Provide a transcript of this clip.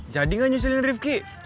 jadi nggak nyuselin rifki